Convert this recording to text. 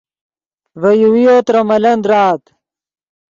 ڤے یوویو ترے ملن درآت